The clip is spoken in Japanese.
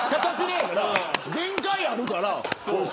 限界あるから。